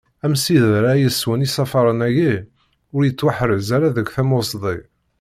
Amsider ara yeswen isafaren-agi ur nettwaḥrez ara deg tasmuḍi.